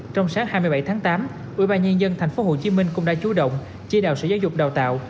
trong sáng hai mươi bảy tháng tám ủy ban nhân dân tp hcm cũng đã chú động chia đào sở giáo dục đào tạo